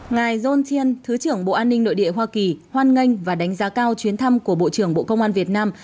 ngài yon chiên thứ trưởng bộ an ninh nội địa hoa kỳ hoan nghênh và đánh giá cao chuyến thăm của bộ trưởng bộ công an việt nam